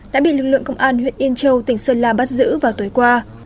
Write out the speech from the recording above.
đã bị lực lượng công an huyện yên châu tỉnh sơn la bắt giữ vào tối qua